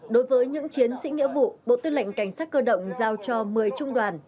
đối với những chiến sĩ nghĩa vụ bộ tư lệnh cảnh sát cơ động giao cho một mươi trung đoàn